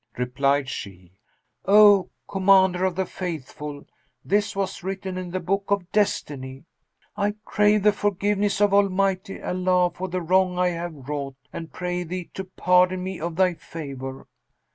Replied she, "O Commander of the Faithful, this was written in the Book of Destiny; I crave the forgiveness of Almighty Allah for the wrong I have wrought, and pray thee to pardon me of thy favour."